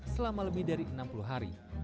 selama lebih dari enam puluh hari